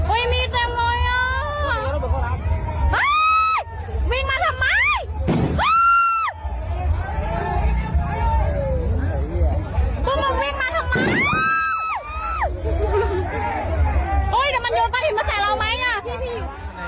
โอ้ยแต่มันโยนไปเห็นมาใส่เราไหมอ่ะ